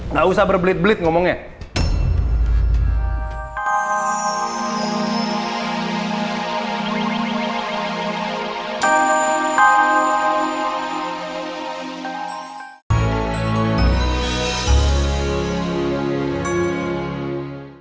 nggak usah berbelit belit ngomongnya